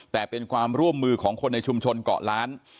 แต่เป็นความร่วมมือของคนในชุมชนเกาะล้าน